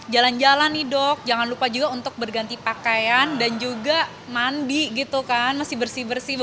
jalan jalan nih dok jangan lupa juga untuk berganti pakaian dan juga mandi gitu kan masih bersih bersih